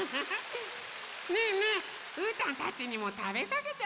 ねえねえうーたんたちにもたべさせてあげようよ。